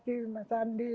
terima kasih mas andi